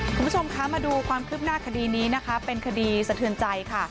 คุณผู้ชมคะมาดูความคืบหน้าคดีนี้นะคะเป็นคดีสะเทือนใจค่ะ